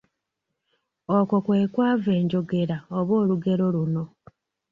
Okwo kwe kwava enjogera oba olugero luno.